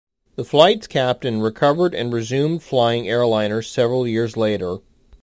The flight's captain recovered and resumed flying airliners several years later.